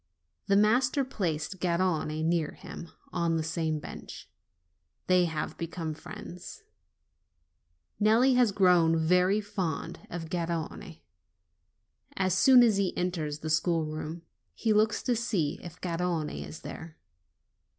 The master placed Garrone near him, on the same bench. They have become friends. Nelli has grown very fond of Garrone. As soon as he enters the schoolroom he looks to see if Garrone is there.